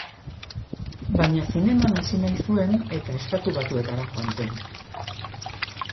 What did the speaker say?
Baina zineman hasi nahi zuen eta Estatu Batuetara joan zen.